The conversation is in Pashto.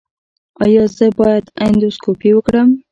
ایا زه باید اندوسکوپي وکړم؟